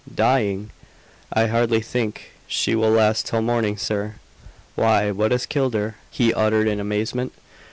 "Dying!" "I hardly think she will last till morning, sir!" "Why, what has killed her?" he uttered in amazement.